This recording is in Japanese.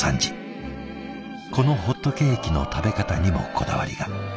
このホットケーキの食べ方にもこだわりが。